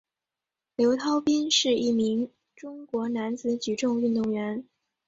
刘寿斌是一名中国男子举重运动员。